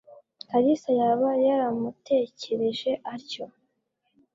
Kalisa yaba yaramutekereje atyo?